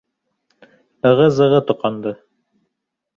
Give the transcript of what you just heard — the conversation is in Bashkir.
Ығы-зығы тоҡанды.